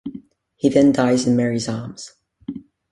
He then dies in Mary's arms.